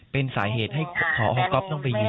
เป็นสาเหตุให้ขอฮฮกรอบต้องไปยืน